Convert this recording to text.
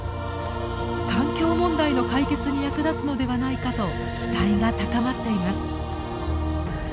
環境問題の解決に役立つのではないかと期待が高まっています。